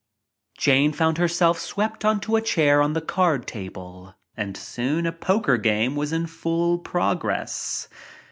Jane found herself swept on to a chair at the card table and soon a poker game was in full prog ress.